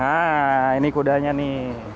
nah ini kudanya nih